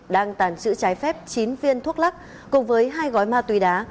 đang tàn sử trái phép chín viên thuốc lắc cùng với hai gói ma túy đá